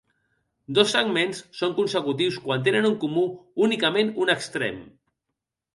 Dos segments són consecutius quan tenen en comú únicament un extrem.